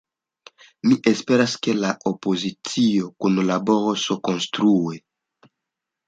Mi esperas, ke la opozicio kunlaboros konstrue.